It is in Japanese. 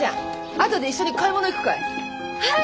あとで一緒に買い物行くかい？